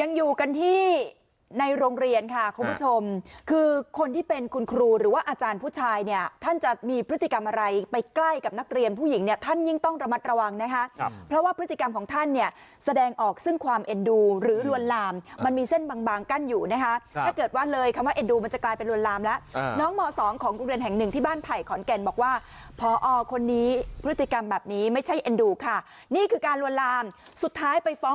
ยังอยู่กันที่ในโรงเรียนค่ะคุณผู้ชมคือคนที่เป็นคุณครูหรือว่าอาจารย์ผู้ชายเนี่ยท่านจะมีพฤติกรรมอะไรไปใกล้กับนักเรียนผู้หญิงเนี่ยท่านยิ่งต้องระมัดระวังนะครับเพราะว่าพฤติกรรมของท่านเนี่ยแสดงออกซึ่งความเอ็นดูหรือลวนลามมันมีเส้นบางกั้นอยู่นะฮะถ้าเกิดว่าเลยคำว่าเอ็นดูมัน